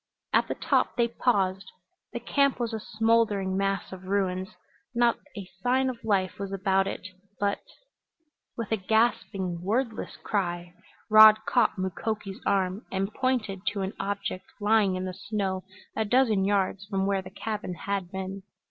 At the top they paused. The camp was a smoldering mass of ruins. Not a sign of life was about it. But With a gasping, wordless cry Rod caught Mukoki's arm and pointed to an object lying in the snow a dozen yards from where the cabin had been.